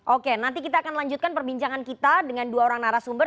oke nanti kita akan lanjutkan perbincangan kita dengan dua orang narasumber